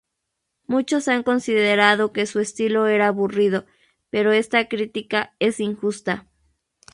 Muchos han considerado que su estilo era aburrido, pero esta crítica es injusta.